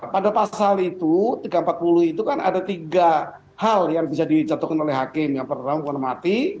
pada pasal itu tiga ratus empat puluh itu kan ada tiga hal yang bisa dijatuhkan oleh hakim yang pertama hukuman mati